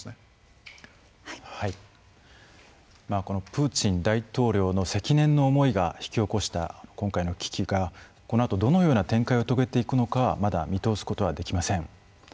このプーチン大統領の積年の思いが引き起こした今回の危機がこのあとどのような展開を遂げていくのかまだ見通すことはできません。